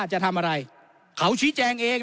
จะทำอะไรเขาชี้แจงเอง